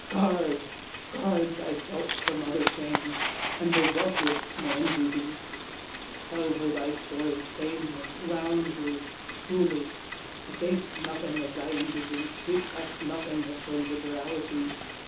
Guard, guard thyself from other shames, and the wealthiest may envy thee! Tell her thy story, plainly, roundly, truly; abate nothing of thy indigence, repress nothing of her liberality.